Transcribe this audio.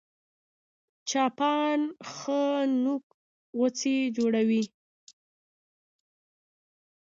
چاپان ښه نوک غوڅي جوړوي